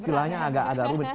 istilahnya agak agak rubin